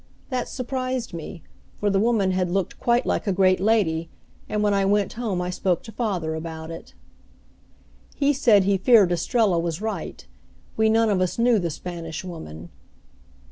That surprised me, for the woman had looked quite like a great lady, and when I went home I spoke to father about it. He said he feared Estrella was right we none of us knew the Spanish woman.